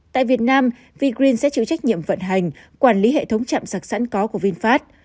tại việt nam vi green sẽ chịu trách nhiệm vận hành quản lý hệ thống chạm sạc sẵn có của vinfast